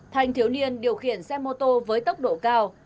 thanh thiếu niên điều khiển xe mô tô với tốc độ cao